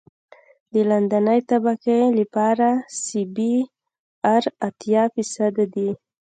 د لاندنۍ طبقې لپاره سی بي ار اتیا فیصده دی